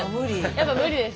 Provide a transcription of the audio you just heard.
やっぱムリです。